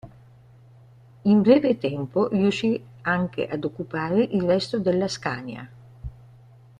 In breve tempo, riuscì anche ad occupare il resto della Scania.